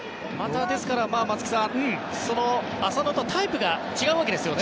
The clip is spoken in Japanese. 松木さん、浅野とタイプが違うわけですよね。